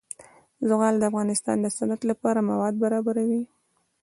زغال د افغانستان د صنعت لپاره مواد برابروي.